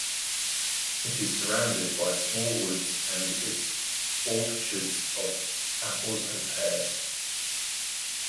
It is surrounded by small woods and its orchards of apples and pears.